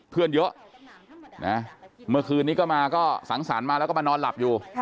เพื่อนเยอะเมื่อคืนนี้ก็มาก็สังสรรค์มาแล้วก็มานอนหลับอยู่